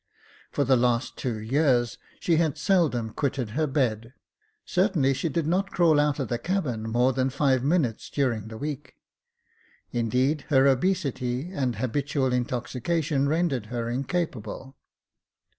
For the last two years she had seldom quitted her bed — certainly she did not crawl out of the cabin more than five minutes during the week — indeed her obesity and habitual intoxication rendered her incapable.